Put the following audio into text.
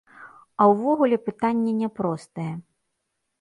А ўвогуле, пытанне няпростае.